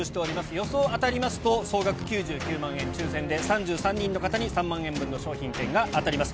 予想、当たりますと、総額９９万円、抽せんで３３人の方に３万円分の商品券が当たります。